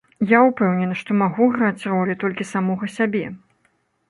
Я ўпэўнены, што магу граць ролі толькі самога сябе.